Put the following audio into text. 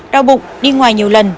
đau bụng đi ngoài nhiều lần